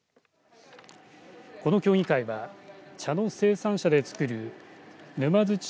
この競技会は茶の生産者で作る沼津茶